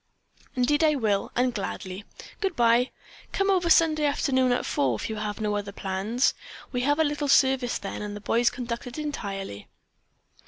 "Indeed I will, and gladly. Good bye! Come over Sunday afternoon at four, if you have no other plans. We have a little service then and the boys conduct it entirely."